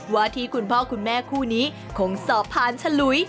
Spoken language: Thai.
ว่าที่คุณพ่อคุณแม่คู่นี้คงสอบผ่านฉลุย